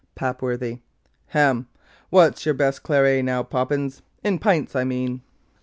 PAPWORTHY. 'Hem! What's your best claret now, Poppins? in pints, I mean.'